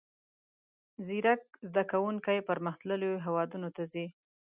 زیرک زده کوونکي پرمختللیو هیوادونو ته ځي.